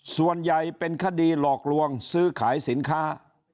ส่วนใหญ่เป็นคดีหลอกลวงซื้อขายสินค้า